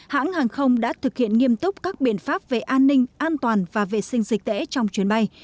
hãng hàng không đã thực hiện nghiêm túc các biện pháp về an ninh an toàn và vệ sinh dịch tễ trong chuyến bay